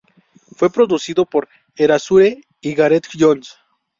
Fue producido por Erasure y Gareth Jones.